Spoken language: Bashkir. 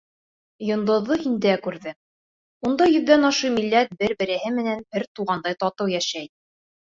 Йондоҙҙо һиндә күрҙем, Унда йөҙҙән ашыу милләт бер-береһе менән бер туғандай татыу йәшәй.